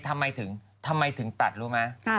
ทำไมถึงทำไมถึงตัดรู้ไหม